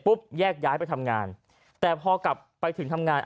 แยกย้ายไปทำงานแต่พอกลับไปถึงทำงาน